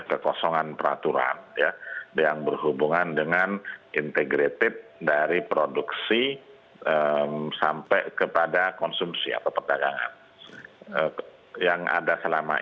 kekosongan peraturan yang berhubungan dengan integratif dari produksi sampai kepada konsumsi atau perdagangan